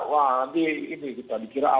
wah nanti ini kita dikira